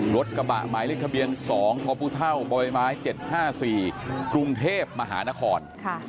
รถกระบะหมายเลขเบียน๒พศ๗๕๔กรุงเทพฯมหานคร